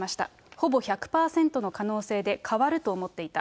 ほぼ１００％の可能性で変わると思っていた。